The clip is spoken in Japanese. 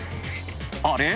あれ？